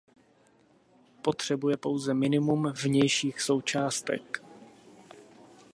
Potřebuje pouze minimum vnějších součástek.